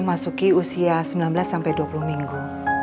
memasuki usia sembilan belas dua puluh minggu